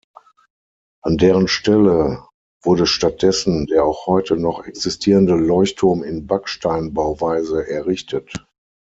An deren Stelle wurde stattdessen der auch heute noch existierende Leuchtturm in Backsteinbauweise errichtet.